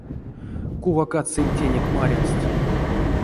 Кувакат сынь тенек марявсть!